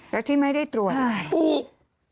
แล้วที่ไม่ได้ตรวจปลูก